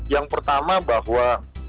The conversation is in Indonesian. yang pertama bahwa